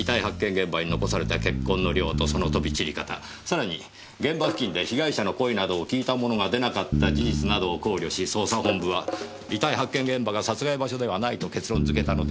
現場に残された血痕の量とその飛び散り方さらに現場付近で被害者の声などを聞いた者が出なかった事実などを考慮し捜査本部は遺体発見現場が殺害場所ではないと結論付けたのでしょう。